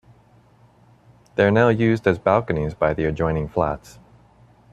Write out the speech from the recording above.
They are now used as balconies by the adjoining flats.